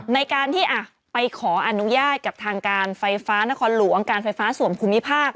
ในการที่ไปขออนุญาตกับทางการไฟฟ้านครหลวงการไฟฟ้าส่วนภูมิภาค